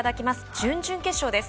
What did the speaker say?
準々決勝です。